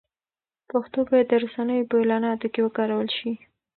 پښتو باید د رسنیو په اعلاناتو کې وکارول شي.